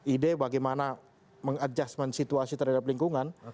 ide bagaimana mengadjustment situasi terhadap lingkungan